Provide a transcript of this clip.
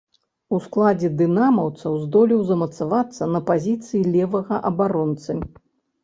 У складзе дынамаўцаў здолеў замацавацца на пазіцыі левага абаронцы.